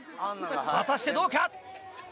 果たしてどうか？